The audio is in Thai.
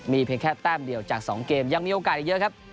เพียงแค่แต้มเดียวจาก๒เกมยังมีโอกาสอีกเยอะครับ